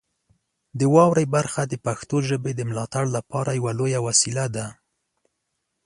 د واورئ برخه د پښتو ژبې د ملاتړ لپاره یوه لویه وسیله ده.